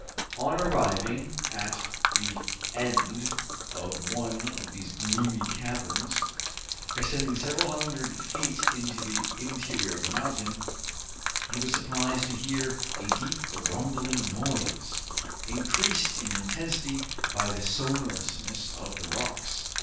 On arriving at the end of one of these gloomy caverns, extending several hundred feet into the interior of the mountain, he was surprised to hear a deep rumbling noise, increased in intensity by the sonorousness of the rocks.